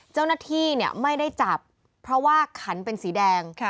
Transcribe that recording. เจ้าหน้าที่ไม่ได้จับเพราะว่าขันเป็นสีแดง